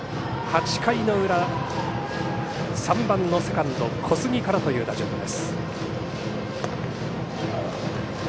８回の裏、３番のセカンド小杉からという打順です。